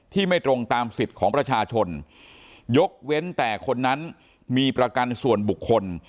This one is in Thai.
ไม่ตรงตามสิทธิ์ของประชาชนยกเว้นแต่คนนั้นมีประกันส่วนบุคคล